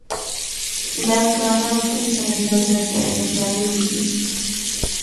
دا کانال کوم سمندرونه سره نښلولي دي؟